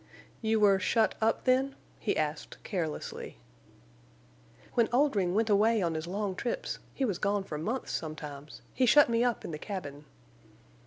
"You were shut up, then?" he asked, carelessly. "When Oldring went away on his long trips—he was gone for months sometimes—he shut me up in the cabin."